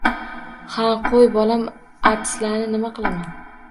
Ha qo’y bolam artislani nima qilaman.